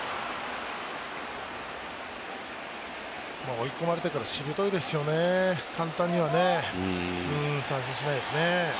追い込まれてからしぶといですよね、簡単には三振しないですね。